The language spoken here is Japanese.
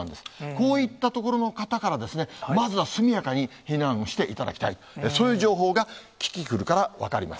こういった所の方から、まずは速やかに避難をしていただきたい、そういう情報がキキクルから分かります。